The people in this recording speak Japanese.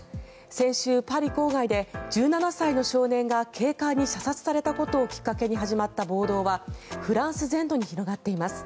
先週、パリ郊外で１７歳の少年が警官に射殺されたことをきっかけに始まった暴動はフランス全土に広がっています。